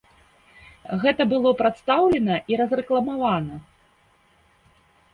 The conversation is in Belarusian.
Гэта было прадстаўлена і разрэкламавана.